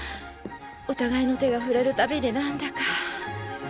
お互いの手が触れるたびになんだか。